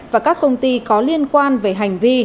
và các công ty có liên quan về hành vi